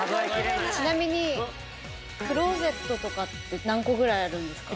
ちなみにクローゼットとかって何個ぐらいあるんですか？